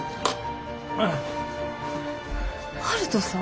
悠人さん？